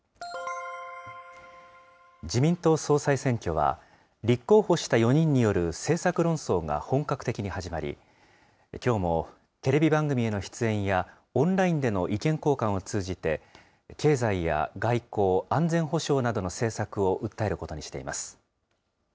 自民党総裁選挙は立候補した４人による政策論争が本格的に始まり、きょうもテレビ番組への出演やオンラインでの意見交換を通じて、経済や外交・安全保障などの政策を訴えることにしています。